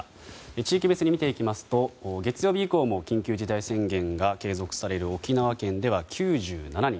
地域別に見ていきますと月曜日以降も緊急事態宣言が継続される沖縄県では９７人。